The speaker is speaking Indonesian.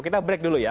kita break dulu ya